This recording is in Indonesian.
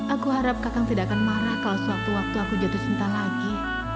aku harap kakak tidak akan marah kalau sewaktu waktu aku jatuh cinta lagi